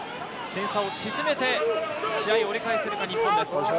点差を縮めて、試合折り返せるか日本。